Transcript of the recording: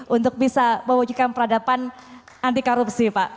untuk bisa mewujudkan peradaban anti korupsi pak